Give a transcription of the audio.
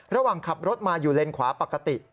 ระหว่างขับรถมาอยู่เลนขวาปกติ